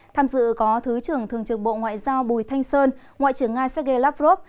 tham dự có thứ trưởng thường trực bộ ngoại giao bùi thanh sơn ngoại trưởng nga sergei lavrov